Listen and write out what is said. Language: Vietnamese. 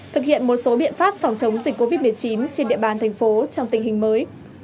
thực hiện một số biện pháp phòng chống dịch covid một mươi chín trên địa bàn thành phố trong tình hình mới